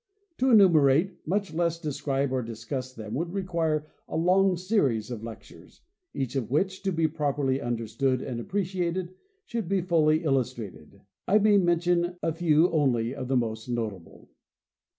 To enumerate, much less describe or discuss them would require a long series of lectures, each of which, to be properly under stood and appreciated, should be fully illustrated. I may men tion a few only of the most notable.